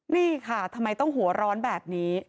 นี่ค่ะทำไมต้องหัวร้อนแบบนี้